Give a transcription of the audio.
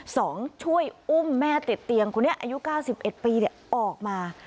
ช่วยอุ้มแม่ติดเตียงคนนี้อายุเก้าสิบเอ็ดปีออกมา